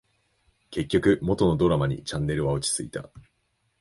結局、元のドラマにチャンネルは落ち着いた